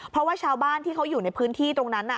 เพราะว่าชาวบ้านที่เขาอยู่ในพื้นที่ตรงนั้น